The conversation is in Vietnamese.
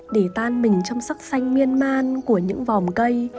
để tan mình trong sắc xanh miên man của những vòm cây